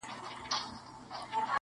چي تر پامه دي جهان جانان جانان سي,